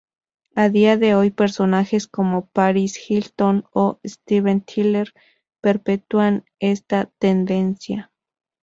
A día de hoy personajes como Paris Hilton o Steven Tyler perpetúan esta tendencia.